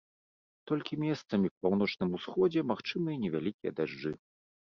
Толькі месцамі па паўночным усходзе магчымыя невялікія дажджы.